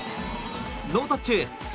ノータッチエース！